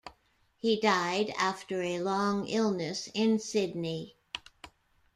He died after a long illness in Sydney.